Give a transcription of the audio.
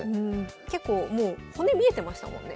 結構もう骨見えてましたもんね